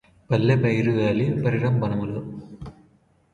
పల్లె పైరుగాలి పరిరంభణమ్ములు